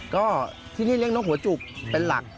ก็ที่นี่เลี้ยงนกหัวจุกเป็นหลัก